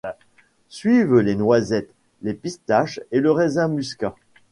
Suivent les noisettes, les pistaches, et le raisin muscat.